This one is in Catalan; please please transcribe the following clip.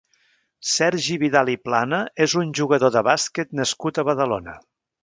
Sergi Vidal i Plana és un jugador de bàsquet nascut a Badalona.